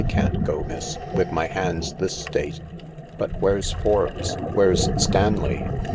can't go, miss, with my hands this state." " But where's Forbes ? Where's Stanley ?